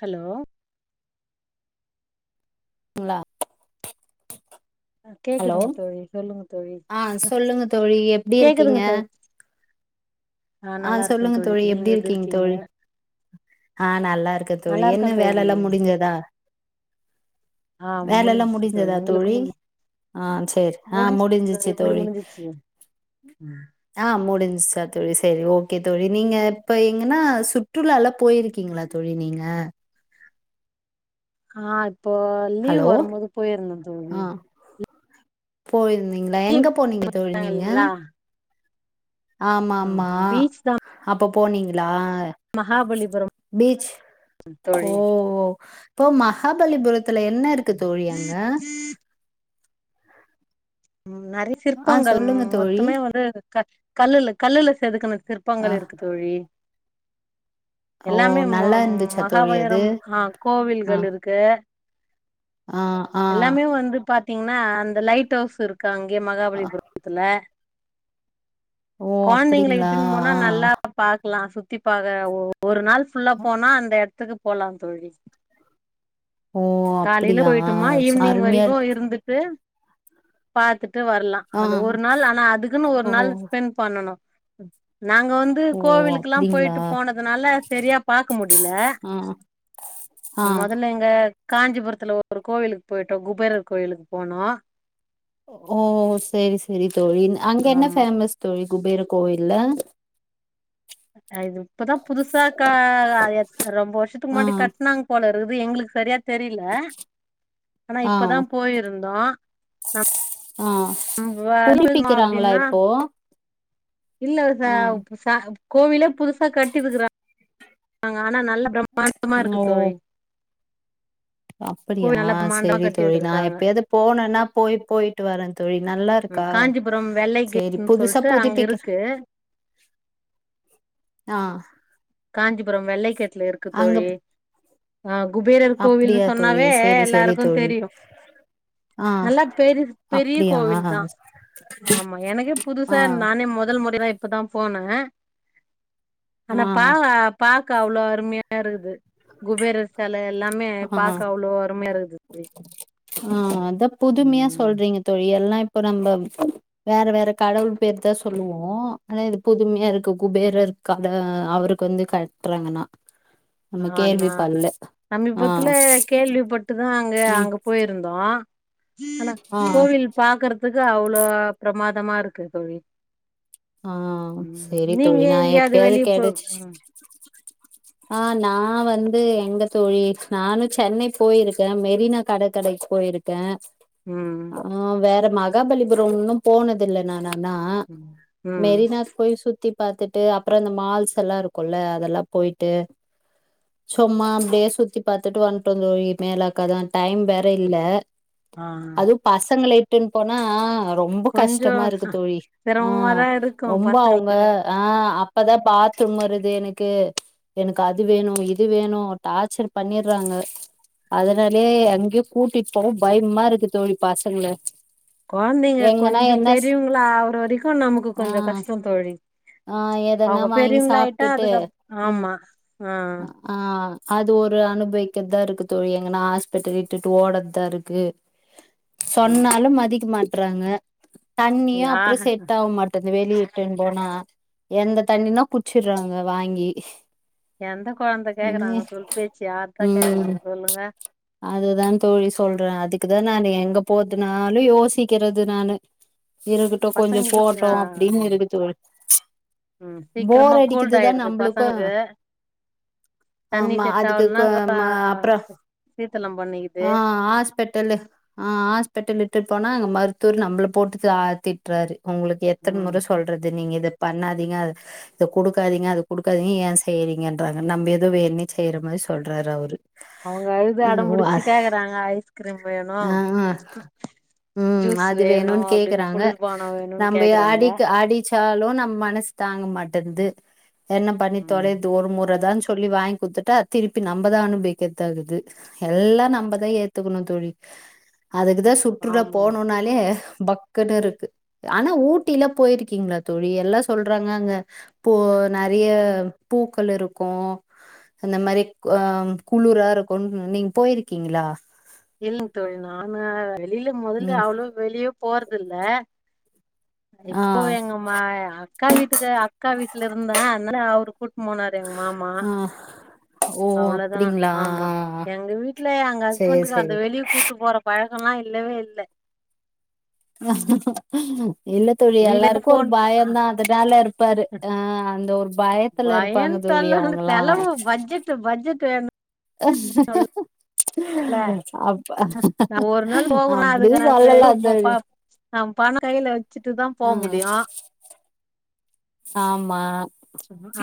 Hello இவுங்ளா கேக்குதுங்க தோழி சொல்லுங்க தோழி ஆ சொல்லுங்க தோழி எப்டி இருக்கீங்க கேக்குதுங்க தோழி ஆ சொல்லுங்க தோழி எப்டி இருக்கீங்க தோழி ஆ நல்லாருக்க தோழி நல்லா இருக்கே என்ன தோழி வேலெல்லா முடிஞ்சதா ஆ வேலல்லா முடிஞ்சுச்ச முடிஞ்சதா உங்களுக்கு தோழி மு ஆ சேரி ஆ முடிஞ்சுச்சு தோழி முடிஞ்சிச்சு உங்களுக் முடிஞ்சுச்சு அ ஆ முடிஞ்சுச்சா தோழி சேரி ஓகே தோழி நீங்க இப்ப எங்கன்னா சுற்றுலாலா போயிருக்கீங்களா தோழி நீங்க ஆ இப்போ லீவ் ஹலோ வரும்போது போயிருந்தே தோழி ஆ போயிருந்தீங்களா லீவ் எங்க போனீங்க தோழி விட்டாங்க நீங்க இல்லைங்களா ஆ ஆமாமா பீச் தா அப்போ போனீங்களா மகாபலிபுரம் பீச் ஓ தோழி ஓ இப்போ மஹாபலிபுரத்துல என்னருக்கு தோழி அங்க ம் நறைய ஆ சிற்பங்கள் சொல்லுங்க ம் தோழி மொத்தமே வந்து க கல்லுல கல்லுல செதுக்குன ஆ சிற்பங்கள் இருக்குது தோழி ஓ எல்லாமே ம நல்லா இருந்துச்சா மஹா தோழி அது வைரம் அ ஆ கோவில்கள் இருக்கு ஆ அ எல்லாமே வந்து பாத்தீங்ன்னா அந்த லைட் ஹவுஸ் இருக்கு அங்கேயே ஆ, மகாபலிபுரத்துல ஓ கொழந்தைங்கள அப்டிங்களா இட்டுன்னு போனா ஆ நல்லா பாக்கலா சுத்தி பாக ஒ ஒரு நாள் ஃபுல்லா போனா அந்த எடத்துக்கு போலா தோழி ஓ காலையில அப்டியா போய்ட்டோமா ஈவினிங் அருமையா வரைக்கு இருக்கு இருந்துட்டு பாத்துட்டு வரலா ஆ அந்த ஒரு நாள் ஆனா அதுக்குன் ஒரு ஓ நாள் ஸ்பெண் பண்ணணு நாங்க வந்து ஓ கோவிலுக்குல்லா அப்டிங்களா போயிட்டு போனதுனால சரியா பாக்க முடில ம் மொதல்ல எங்க காஞ்சிபுரத்துல ஒரு கோவிலுக்கு போயிட்டோ குபேரர் கோயிலுக்கு போனோ ஓ செரி செரி தோழி அங்க என்ன ஆமா ஃபேமஸ் தோழி குபேர கோவில்ல அ இது இப்பதா புதுசா கா அ ரொம்ப வருஷத்துக்கு ஆ முன்னாடி கட்னாங் போலிருக்குது எங்களுக்கு சரியா தெரில ஆனா ஆ இப்பதா போயிருந்தோ ஆ புதுப்பிக்கிறாங்களா அப்டின்னா இப்போ இல்ல ச ஆ ச கோவிலே புதுசா கட்டிருக்குறாங்க ஆனா நல்ல பிரம்மாண்டமா இருக்கு ஓ தோழி அப்படியா கோவில் நல்லா பிரம்மாண்டமா செரி கட்டி தோழி நா வச்சிருக்காங்க எப்பயாது போனன்னா போய் போய் ட்டு வர தோழி நல்லா ம் இருக்கா காஞ்சிபுரம் செரி புதுசா புதுப்பிக்கிற அ ஆ காஞ்சிபுரம் வெள்ளைக்கட்ல இருக்கு அங்க தோழி ஆ குபேரர் கோவில்னு அப்படியா தோழி சொன்னாவே சரி சரி எல்லாருக்கு தோழி தெரியு ஆ நல்லா பெரு பெரிய அப்படியா ஆ கோவில் தா ஆமா எனக்கே புதுசா ஆ இருந் நானே முதல் முறைதா இப்பதா போன ஆ ஆனா பா பாக்க அவ்ளோ அருமையா இருக்குது குபேரர் செல எல்லாமே ஆ பாக்க அவ்ளோ அருமையா இருக்குது தோழி ஆ அதா புதுமையா ம் சொல்றீங்க தோழி எல்லா இப்போ நம்ப வேற வேற கடவுள் பேர் தா சொல்லுவோ ஆனா இது புதுமையா இருக்கு குபேரர் கத அவருக்கு வந்து கட்றாங்கனா நம்ம கேள்வி பல்ல சமிபத்துல கேள்விப்பட்டுதா அங்க ம் அங்க போயிருந்தோ அன ஆ கோவில் பாக்குறதுக்கு அவ்ளோ பிரமாதமா இருக்கு தோழி ஆ ம் செரி நீங்க தோழி நா எங்கேயாவது எப்பயாது வெளிய போ கெடச்சுச் ம் ஆ நா வந்து எங்க தோழி நானு சென்னை போயிருக்கே மெரினா கடற்கரைக்கு போயிருக் கே ம் ஆ வேற மகாபலிபுரோ உன்னோ போனது இல்ல நான் ஆனா ம் மெரினாக்கு போய் சுத்தி பாத்துட்டு அப்புற இந்த மால்ஸ் எல்லா இருக்குல்ல அதெல்லா போயிட்டு சும்மா அப்படியே சுத்தி பாத்துட்டு வண்டோ தோழி மேலாக்கதா டைம் வேற இல்ல ஆ அதுவு பசங்கள இட்டுன் போனா ரொம்ப கொஞ்சோ கஷ்டமா இருக்கு தோழி ஆ சிரமமாதா இருக்கு ரொம்ப அவங்க பசங்களுக்கு ஆ அப்பதா பாத்ரூம் வருது எனக்கு எனக்கு அது வேணு இது வேணு டார்ச்சர் பண்ணிறாங்க அதனாலயே எங்கயு கூட்டிட் போக பயம்மா இருக்கு தோழி பசங்கல கொழந்தைங்க கொஞ்ச பெரியவங்களா ஆவற வரைக்கு நமக்கு ஆ கொஞ்ச கஷ்ட தோழி ஆ எதனா அவங்க வாங்கி பெரியவங்களாயிட்டா சாப்ட்டுட்டு அதுக்கு அப் ம் ஆமா ஆ ஆ அது ஒரு அனுபவிக்கதா இருக்கு தோழி எங்கன்னா ஹாஸ்பிட்டல் இட்டுட்டு ஓடறதா இருக்கு ம் சொன்னாலு மதிக்க மாட்றாங்க தண்ணியு அப்ற யாக செட் போமட்டுது வெளியேட்டுன்னு போனா எந்த தண்ணினா குச்சுறாங்க வாங்கி எந்த கொழந்த கேக்குறாங்க ம் சொல் பேச்சு யார்தா கேக்குறாங்க சொல்லுங்க அதுதான் தோழி சொல்றே அதுக்குதான் நான் எங்க போதுனாலும் யோசிக்கிறது நானு இருக்கு பசங்களுக் றோம் அப்டின்னு [unintelligible] ம் சீக்கிரமா போர் கோல்ட் அடிக்குதுதான் ஆயிடுது நம்பளுக்கு பசங்களுக்கு தண்ணி ஆமா செட் ஆவலனா அதுக்குகு ஆ ம்மா அப்பறோ சீத்தலம் பண்ணிக்குது ஆ ஹாஸ்பிட்டல்லு ஆ ஹாஸ்பிட்டல் இட்டுட்டு போனா அங்க மருத்துவர் நம்மல போட்டு திட்றாரு உங்களுக்கு எத்தன ம் முற சொல்றது நீங்க இத பண்ணாதீங்க இத கொடுக்காதீங்க அது குடுக்காதீங்க ஏன் செய்யறீங்கன்றாங்க நம்ம ஏதோ வேன்னே செய்யிற மாரி சொல்றாரு அவுரு அவங்க அழுது அடம்புடிச்சு கேக்குறாங்க ஐஸ்கிரீம் வேணும் ஆ ஆ ம். ஜூஸ் அது வேணு வேணும்னு அப்டின் கேக்குறாங்க. குளிர்பானம் வேணுன் நம்ப அடிக்க அடிச்சாலும் நம் மனசு தாங்க மாட்டேகுது என்ன பண்ணி ம் தொலைரது ஒரு முறதான்னு சொல்லி வாங் குடுத்துட்டா திருப்பி நம்மதா அனுபவிக்கதாகுது எல்லா நம்பதா ஏத்துக்கணும் தோழி அதுக்குதா சுற்றுலா ஆமாமா போனும்னாலே பக்குன்னு இருக்கு ஆனா ஊட்டிலா போயிருக்கீங்களா தோழி எல்லா சொல்றாங்க அங்க ப்போ நெறைய பூக்கள் இருக்கு அந்த மாரி ஆ குளுரா இருக்கும் நீங்க போயிருக்கீங்களா இல்லங்க தோழி நானு வெளில முதல்ல ம். அவ்ளோவா வெளிய போறதுல்ல ஆ. இப்போ எங்கமா அக்கா வீட்டுக்கு அக்கா வீட்ல இருந்தே அதனால அவரு கூட்டு போனாரு எங்க மாமா ஆ ஓ ஓ அவ்ளோதா அப்டிங்களா ஆமா எங்க வீட்ல எங்க சேர் ஹஸ்பண்டுக்கு சேர் அந்த வெளிய கூட்டு போற பழக்கலா இல்லவே இல்ல இல்ல தோழி வீட்லருந்து எல்லாருக்கு ஒரு ஃபோன் பயந்தா அதனால இருப்பாரு ஆ அந்த ஒரு பயத்துல இருப் ப்பாங்க தோழி அவங்கலா பட்சேட் வேண் அப்பா நா நம்ம ஒரு நாள் அப்டி சொல்லலா தோழி நம் பணம் கைல வச்சுட்டு தா போ ம் முடியு ஆமா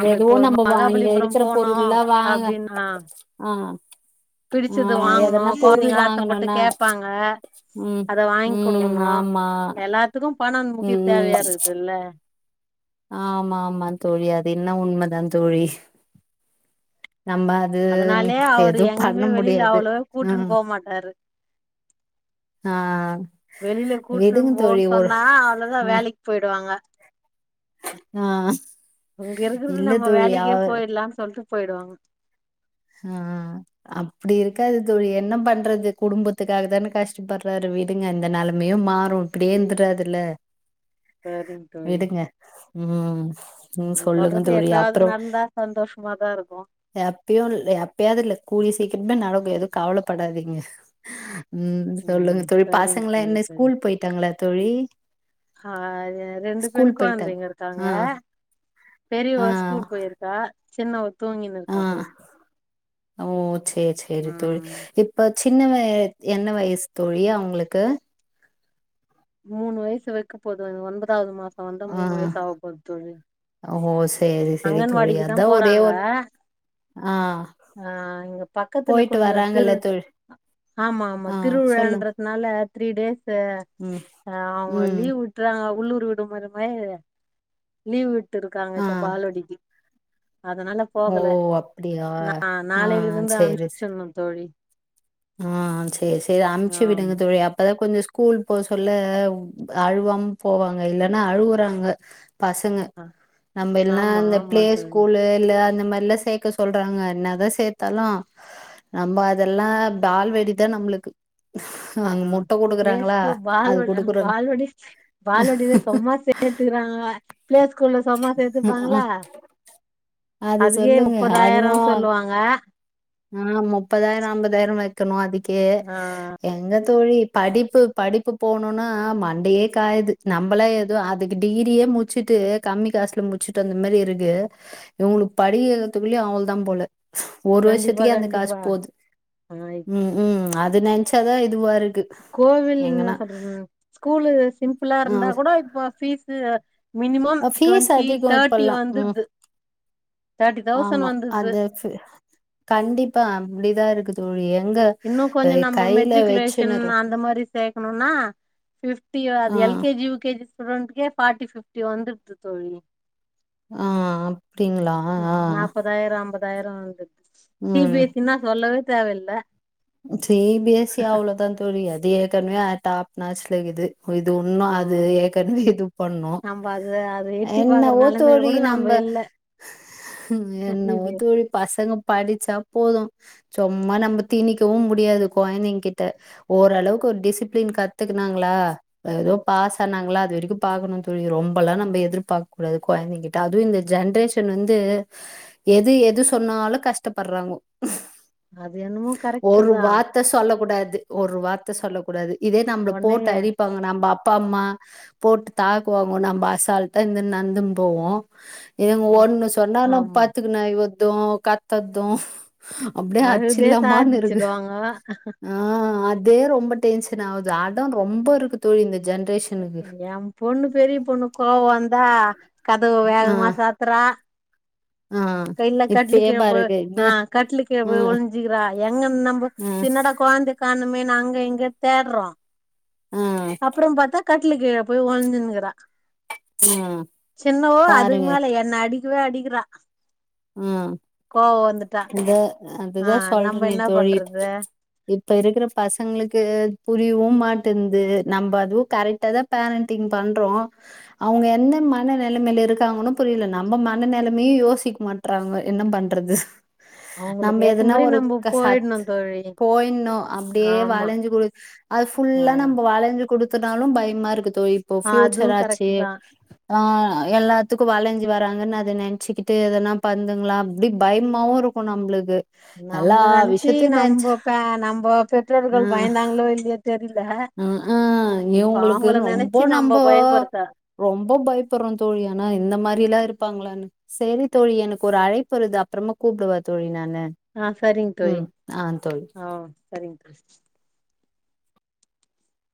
ஆமா ஏதோ இப்போ ஒரு நம்ப வாங் அங்க மகாபலிபுரம் இருக்கிற போனோ பொருள்ளா வாங்க அப்டின்னா ஆ ஆ பிடிச்சது வாங்கணு எதன்னா பொருள் கொழந்தைங்க ஆசப்பட்டு வாங்கனுனா கேப்பாங்க அத வாங்கி ம் குடுக்கணு ஆமா எல்லாத்துக்கு பணோ முக்கிய ம் தேவையா ம் இருக்குதுல்ல ஆமா ஆமா தோழி அது இன்னு உண்மதா தோழி நம்ப அதனாலே அவரு எங்கேயுமே வெளில அவ்ளோவா ஆ கூட்டுன்னு போ மாட்டாரு ஆ வெளில கூட்டுன்னு விடுங்க போன்னு தோழி ஒரு சொன்னா அவ்ளவுதா ஆ வேலைக்கு போயிடுவாங்க ஆ இங்க இருக்கிறது இல்ல நம்ம தோழி வேலைக்கே அவர் போயிடலாம்னு சொல்ட்டு போயிடுவாங்க ஆ அப்டி இருக்காது தோழி என்ன பண்றது குடும்பத்துக்காக தானே கஷ்டப்படுறாரு வி டுங்க இந்த நெலமயு மாறும் இப்டியே இருந்தராது இல்ல சரிங்க தோழி விடுங்க ம் ம் நீங்க சொல்லுங்க சொல்றது தோழி எப்பயாவது அப்றோ நடந்தா சந்தோஷமாதா இருக்கு ‌எப் இ எப்பயாது இல்ல கூடிய சீக்கிரமே நடக்கு எதுவு கவலப்படாதிங்க ம் ம் சொல்லுங்க தோழி சரிங்க பசங்ளா தோழி என்ன ஸ்கூல் பொயிட்டாங்ளா தோழி அ ரெண்டு ஸ்கூல் பெண் போயிட்டாங்க. கொழந்தைங்க இருக்காங்க ஆ பெரியவ ஆ ஸ்கூல் பொயிருக்கா சின்னவ தூங்கின்னு ஆ இருக்கா தோழி ஓ சேர் சேரி தோழி ம் இ ப்ப சின்னவா என்ன வயசு தோழி அவுங்ளுக்கு மூணு வயசு வைக்க போது ஒன்பதாவது மாசோ வந்தா ஆ மூணு வயசு ஆக போது தோழி ஓ! சேரி, சேரி தோழி. அங்கன்வாடிக்குதா அதான் ஒரே போறாங்க ஒரு ஆ ஆ இங்க பக்கத்துல போயிட்டு கொஞ்ச திரு வராங்கல்ல தோழி. ஆமா ஆமா ஆ சொல்லுங்க. திருவிழான்றதுனால த்ரீ டேஸ்ஸூ ம், அ அவங்க ம். லீவ் அ உள்ளூர் விடுமுற மாரி லீவ் விட்டு இருக்காங்க ஆ இப்ப பால்வாடிக்கு அதனால ஓ! போகல அப்படியா? நா ஆ நாளையில இருந்து சேரி, அனுப்ச்சிவிடணு தோழி ஆ சேரி சேரி அம்ச்சு விடுங்க ஆமா தோழி அப்பதா கொஞ்சோ ஸ்கூல் போ சொல்ல அழுவாம போவாங்க இல்லன்னா அழுவுறாங்க பசங்க ஆ நம்ம எல்லா ஆமா அ ஆமா பிளே தோழி ஸ்கூலு இல்ல அந்த மாரில்லா சே க்கி சொல்றாங்க என்னதா சேத்தாலு நம்ம அதெல்லா பால்வடிதா நம்ளுக்கு ஆ பிளேஸ்கு பால்வ குடுக்குறோங்க. பால்வடி பால்வடிதா செம்ம சேத்துக்கிறாங்க பிளேஸ்கூள்ள சொன்னா ஆ சேத்துப்பாங்ளா அது அதுக்கே சொல்லுங்க முப்பதாயிரோ அதுவும் சொல்லுவாங்க ஆ முப்பதாயிரோ அம்பதாயிரோ வக்கணு அதுக்கே ஆ எங்க தோழி படிப்பு படிப்பு போணுனா மண்டையே காயுது நம்பளே கு அதுக்கு டிகிரியே முட்ச்சுட்டு கம்மி காசுல முட்ச்சுட்டு அந்த மாதிரி இருக்கு இவுங்களுக்கு படிக்கவக்றதுக்குள்ளயே அவ்ள்தா போல ஒரு கண்டிப்பா வர்ஷத்துக்கே அந்த காசு கண்டிப்பா போது ஆ ம் ம் அது நெனைச்சாதா இதுவா இருக்கு கோவில்னு எங்கன்னா சொல்றது ஸ்கூலு சிம்பிளா இருந்தா கூட இப்ப பீஸ்ஸூ பீஸ்ஸூ அதிகோ இப்பல்லா ம் வந்துடுது தேர்ட்டி தௌசண்ட் ஆமா வந்துடுது அது ஃப் கண்டிப்பா அப்டிதா இருக்கு தோழி எங்க இன்னு கொஞ்சோ அஹ் நம்ம கையில மெட்ரிகுலேஷன் வச்சுனுரு அந்த மாரி சேக்கணுனா பிப்டி ஆ அது ஆ L K G U K G ஸூடூடெண்ட்டுகே ஃபார்ட்டி பிப்டி வந்துடுது தோழி ஆ அப்டிங்ளா ம் நாப்பதாயிரோ அம்பதாயிரோ வந்துட்து சி ம் பி எஸ்ஸி னா சொல்லவே தேவல சி பி எஸ் சி அவ்வளோதா தோழி அது ஏற்கனவே டாப் நாச்சல இருக்குது இது ஒன்னு ஆ அது ஏற்கனவே இது பண்ணு நம்ம அது அது எட்டி பாக்குற என்னவோ நெலமையில தோழி கூட நம்ம நம்ப இல்ல சி என்னவோ பி எஸ் தோழி பசங்க படிச்சா போது சும்மா நம்ம திணிக் கவு முடியாது கொழந்தைங் கிட்ட ஓரளவுக்கு ஒரு டிசிப்ளின் கத்துக்குனாங்களா ஏதோ பாஸ் ஆனாங்ளா அது வரைக்கு பாக்கணு தோழி ரொம்பல்லா நம்ம எதிர்பாக்க கூடாது கொழந்தைங்கிட்ட அதுவு இந்த ஜென்ரேஷன் வந்து எது எது சொன்னாலு கஷ்டப்பட்றாங்கோ அது என்னமோ கரெக்ட்டு ஒரு தா வார்த்த சொல்லகூடாது ஒரு வார்த்த சொல்லகூடாது இதே நம்ள ஒன்னே போட்டு அடி ப்பாங்க நம்ப அப்பா அம்மா போட்டு தாக்குவாங்கோ நம்ப அசால்ட்டா இந்தன் நட்ந்த்ன் போவோ இதுங்க ஒண்ணு சொன்னான்னா ஆமா பாத்துக்குனு அழுவற்து கத்தற்து அப்டே அச்சிர்லாமான் இருக் டு வாங்க ஆ அதே ரொம்ப டென்ஷன் ஆவுது அடம் ரொம்ப இருக்கு தோழி இந்த ஜென்ரேஷ் எ பொண்ணு பெரிய பொண்ணு கோவ வந்தா கதவு வேகமா ஆஹ் சாத்தறா ஆஹ் சைட்ல கட்லு இப்பயே கீழ போ பாருங்க என்ன ஆ கட்லு கீழ போய் உம் ஒள்ஞ் சிக்கிறா எங்கன் நம்போ உம் என்னடா கொழந்த காணமேன் அங்க இங்க தேட்றோ உம் அப்புற பாத்தா கட்லு கீழ போயி ஒளிஞ்சின்னுக்குறா உம் சின்னவோ அதுக்கு பாருங்க மேல என்ன அடிக்கவே அடிக்கிறா ம் கோவோ வந்துட்டா இத்த ஆ அதுதா நம்ப சொல்றனே என்ன தோழி பண்றது இப்ப இருக்குற பசங்ளுக்கு புரியவு மாட்டன்து நம்ப அதுவு கரெக்டா தா பேரண்டிங் பண்றோ அவுங்க என்ன மன நெலமையில இருக்காங்கனு புரியில நம்ப மன நெலமையு யோசிக் மாட் ட்றாங்க என்ன பண்றது நம்ப அவங்களுக்கு ஏத்த எதுனா மாரி ஒரு நம்ப க சாத் போயிடணு தோழி போயின்னு அப்டியே ஆமா வளஞ்சி குடுக் அது ஆ ஃபுல்லா நம்ப வளஞ்சி குடுத் துட்டாலு பயமா இருக்கு தோழி இப்போ அதுவு பியூச்சர் ஆச்சி கரெக்ட் தா ஆ எல்லாத்துக்கு வளஞ்சி வராங்கன் அத நென்ச்சிக்கிட்டு எதுனா பண்துங்ளா அப்டி பயமாவு இருக்கு நம்புளுக்கு நம்பள நெனச்சி நம்போ பே நம்போ பெற்றோர்கள் ஆ பயந்தாங்ளோ இல்லியோ தெர்ல அ ஆ இவுங்களுக்கு ரொம்போ நம்ப நம்போ பயப்படுத்தா ரொம்ப பயப்பறோ தோழி ஆனா இந்த மாரி எல்லா இருப்பாங்களானு செரி தோழி எனக்கு ஒரு அழைப்பு வருது அப்றமா கூப்டவா தோழி நானு ஆ சரிங் தோழி ம். ஆ தோழி. ஆ சரிங் தோழி